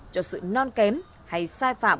cho sự non kém hay sai phạm